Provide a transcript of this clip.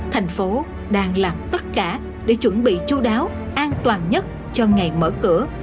thành phố đang làm tất cả để chuẩn bị chú đáo an toàn nhất cho ngày mở cửa